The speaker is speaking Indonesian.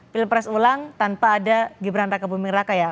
pilpres ulang tanpa ada gibran raka buming raka ya